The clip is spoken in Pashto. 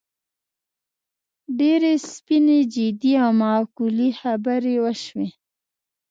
ډېرې سپینې، جدي او معقولې خبرې وشوې.